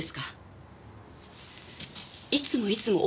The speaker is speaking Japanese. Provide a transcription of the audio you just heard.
いつもいつも